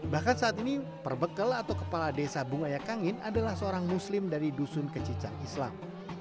bahkan saat ini perbekel atau kepala desa bungayakangin adalah seorang muslim dari dusun kecicang islam